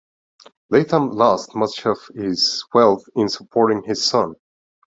Latham lost much of his wealth in supporting his son.